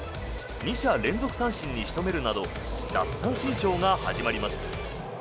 ２者連続三振に仕留めるなど奪三振ショーが始まります。